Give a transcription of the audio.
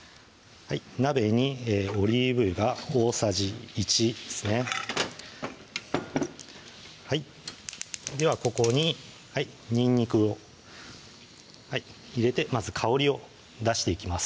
鍋にオリーブ油が大さじ１ですねはいではここににんにくを入れてまず香りを出していきます